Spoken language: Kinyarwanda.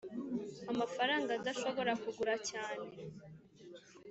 amafaranga adashobora kugura cyane